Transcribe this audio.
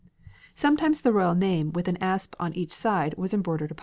Sometimes the royal name with an asp on each side was embroidered upon it."